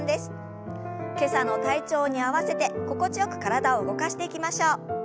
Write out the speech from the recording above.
今朝の体調に合わせて心地よく体を動かしていきましょう。